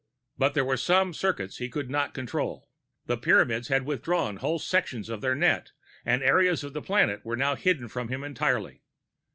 But there were some circuits he could not control. The Pyramids had withdrawn whole sections of their net and areas of the planet were now hidden from him entirely.